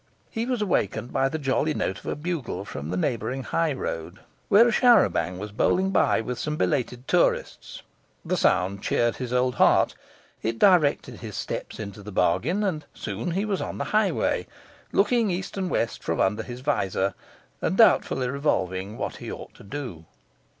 He was awakened by the jolly note of a bugle from the neighbouring high road, where a char a banc was bowling by with some belated tourists. The sound cheered his old heart, it directed his steps into the bargain, and soon he was on the highway, looking east and west from under his vizor, and doubtfully revolving what he ought to do.